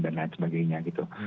dan lain sebagainya gitu